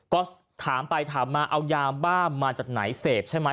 ก็ถามไปถามมาเอายาบ้ามาจากไหนเสพใช่ไหม